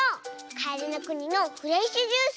カエルのくにのフレッシュジュース。